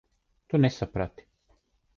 Tu nesaprati.